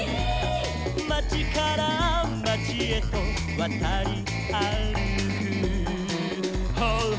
「まちからまちへとわたりあるく」「」